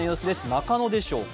中野でしょうか。